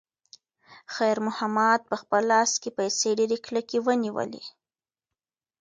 خیر محمد په خپل لاس کې پیسې ډېرې کلکې ونیولې.